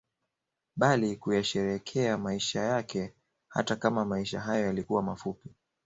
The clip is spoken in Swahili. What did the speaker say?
Bali kuyasherehekea maisha yake hata kama maisha hayo yalikuwa mafupi